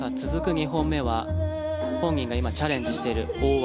２本目は本人が今チャレンジしている大技